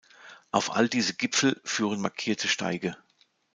Auf all diese Gipfel führen markierte Steige.